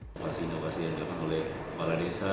inovasi inovasi yang dilakukan oleh kepala desa